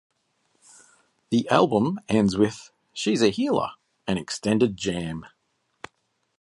The album ends with "She's a Healer", an extended jam.